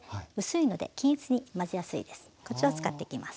こちらを使っていきます。